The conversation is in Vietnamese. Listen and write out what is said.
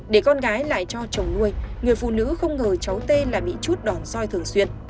để con gái lại cho chồng nuôi người phụ nữ không ngờ cháu tê là bị chút đòn soi thường xuyên